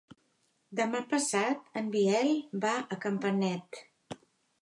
Demà passat en Biel va a Campanet.